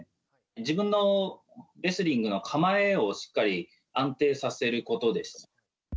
自分のレスリングの構えをしっかり安定させることです。